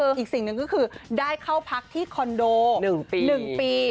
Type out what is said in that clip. อีกสิ่งหนึ่งก็คือได้เข้าพักที่คอนโด๑ปี